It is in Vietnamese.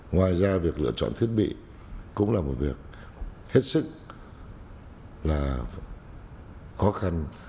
ngoài ra việc lựa chọn thiết bị cũng là một việc hết sức là khó khăn